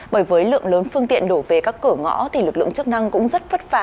bởi với lượng lớn phương tiện đổ về các cửa ngõ thì lực lượng chức năng cũng rất vất vả